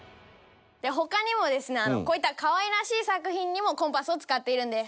他にもですねこういった可愛らしい作品にもコンパスを使っているんです。